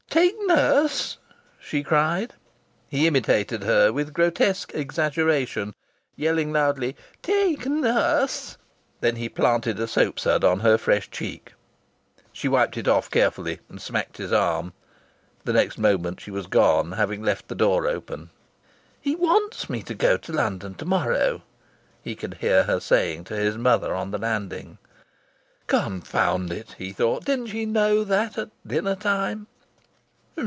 "Take nurse?" she cried. He imitated her, with a grotesque exaggeration, yelling loudly, "Take nurse?" Then he planted a soap sud on her fresh cheek. She wiped it off carefully, and smacked his arm. The next moment she was gone, having left the door open. "He wants me to go to London to morrow," he could hear her saying to his mother on the landing. "Confound it!" he thought. "Didn't she know that at dinner time?"